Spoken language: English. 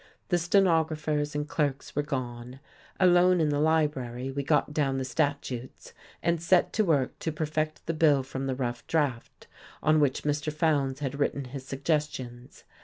The stenographers and clerks were gone; alone in the library we got down the statutes and set to work to perfect the bill from the rough draft, on which Mr. Fowndes had written his suggestions.